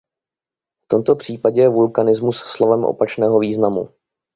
V tomto případě je vulkanismus slovem opačného významu.